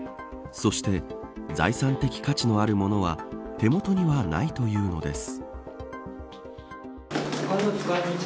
そして、財産的価値のあるものは手元にはないというのです。